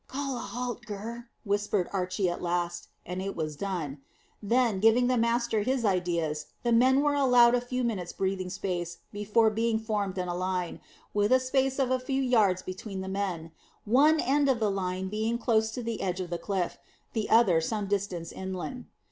"Call a halt, Gurr," whispered Archy at last; and it was done. Then, giving the master his ideas, the men were allowed a few minutes' breathing space before being formed in a line, with a space of a few yards between the men, one end of the line being close to the edge of the cliff, the other some distance inland.